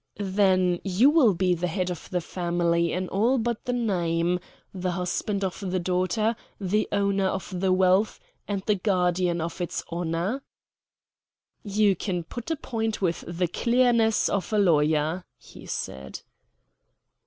"Then you will be the head of the family in all but the name the husband of the daughter, the owner of the wealth, and the guardian of its honor?" "You can put a point with the clearness of a lawyer," he said.